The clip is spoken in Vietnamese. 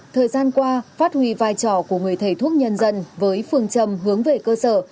thời gian qua phát huy vai trò của người thầy thuốc nhân dân với phương châm hướng về cơ sở